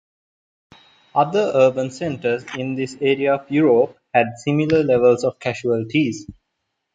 Other urban centers in this area of Europe had similar levels of casualties.